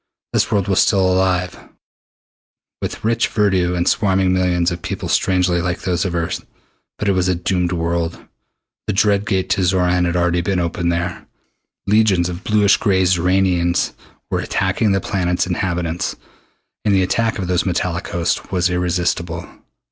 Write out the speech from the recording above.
This world was still alive, with rich verdure and swarming millions of people strangely like those of Earth. But it was a doomed world. The dread Gate to Xoran had already been opened here. Legions of bluish gray Xoranians were attacking the planet's inhabitants, and the attack of those metallic hosts was irresistible.